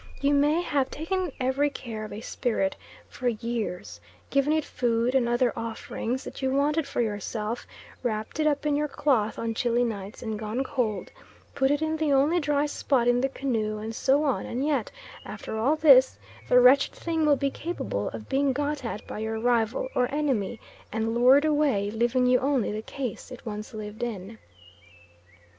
You may have taken every care of a spirit for years, given it food and other offerings that you wanted for yourself, wrapped it up in your cloth on chilly nights and gone cold, put it in the only dry spot in the canoe, and so on, and yet after all this, the wretched thing will be capable of being got at by your rival or enemy and lured away, leaving you only the case it once lived in.